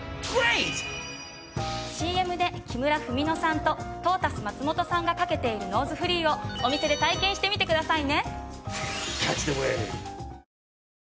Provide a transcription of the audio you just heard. ＣＭで木村文乃さんとトータス松本さんが掛けているノーズフリーをお店で体験してみてくださいね。